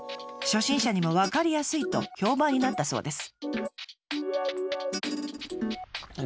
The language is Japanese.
初心者にも分かりやすいと評判になったそうです。